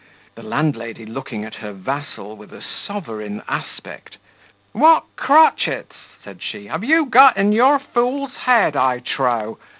The landlady, looking at her vassal with a sovereign aspect, "What crotchets," said she, "have you got in your fool's head, I trow?